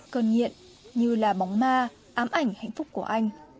cơn nghiện như là bóng ma ám ảnh hạnh phúc của anh